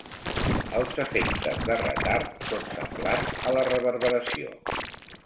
Els efectes de retard són semblants a la reverberació.